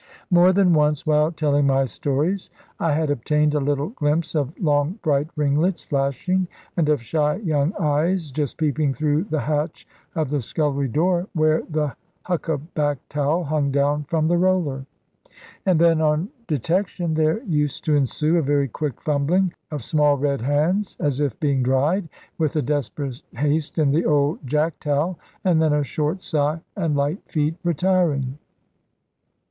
More than once, while telling my stories, I had obtained a little glimpse of long bright ringlets flashing and of shy young eyes just peeping through the hatch of the scullery door, where the huckaback towel hung down from the roller. And then, on detection, there used to ensue a very quick fumbling of small red hands, as if being dried with a desperate haste in the old jack towel; and then a short sigh, and light feet retiring.